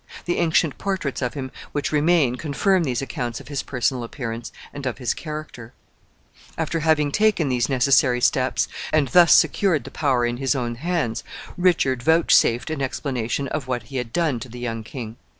The ancient portraits of him which remain confirm these accounts of his personal appearance and of his character. [Illustration: ANCIENT PORTRAIT OF EDWARD V.] After having taken these necessary steps, and thus secured the power in his own hands, Richard vouchsafed an explanation of what he had done to the young king.